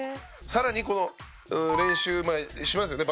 さらにこの練習しますよね